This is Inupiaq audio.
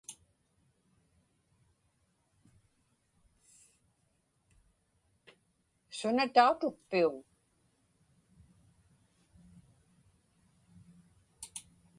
Suna tautukpiuŋ?